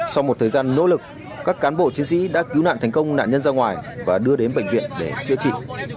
sau một thời gian nỗ lực các cán bộ chiến sĩ đã cứu nạn thành công nạn nhân ra ngoài và đưa đến bệnh viện để chữa trị